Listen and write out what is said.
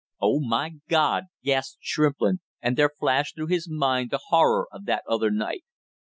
"Oh, my God!" gasped Shrimplin, and there flashed through his mind the horror of that other night.